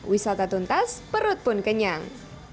wisata tuntas perut pun kenyang